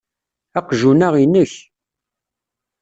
Aqjun-a inek.